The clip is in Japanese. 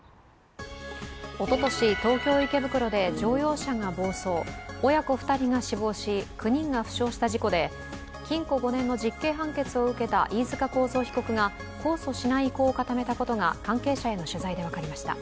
おととし、東京・池袋で乗用車が暴走、親子２人が死亡し、９人が負傷した事故で禁錮５年の実刑判決を受けた飯塚幸三被告が控訴しない意向を固めたことが関係者への取材で分かりました。